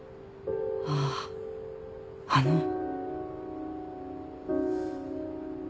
あああの。